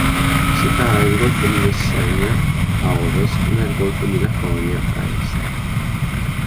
Separa il golfo di Messenia a ovest dal golfo di Laconia a est.